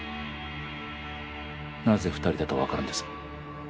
なぜ二人だと分かるんです？